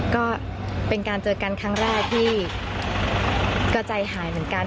ก็เป็นการเจอกันครั้งแรกที่ก็ใจหายเหมือนกัน